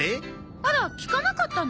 あら聞かなかったの？